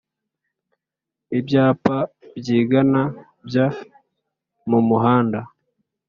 ibyapa byigana by' mumuhanda